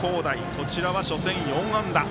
こちらは、初戦４安打。